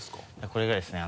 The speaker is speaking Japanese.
これがですね